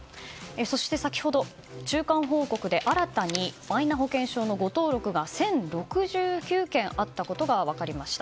そして先ほど、中間報告で新たにマイナ保険証の誤登録が１０６９件あったことが分かりました。